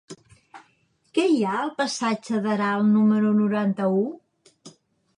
Què hi ha al passatge d'Aral número noranta-u?